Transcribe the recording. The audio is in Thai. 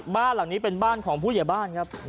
บ้านหลังนี้เป็นบ้านของผู้ใหญ่บ้านครับ